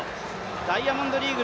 ダイヤモンドリーグ